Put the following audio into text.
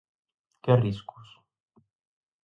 Que riscos?